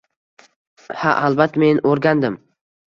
- Ha, albatta, men o'rgandim